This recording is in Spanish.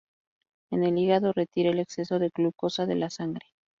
En el hígado retira el exceso de glucosa de la sangre.